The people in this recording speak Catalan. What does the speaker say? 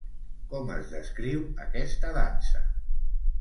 Com es descriu aquesta dansa?